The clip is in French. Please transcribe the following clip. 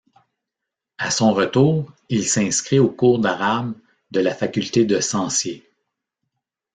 À son retour, il s'inscrit aux cours d'arabe de la faculté de Censier.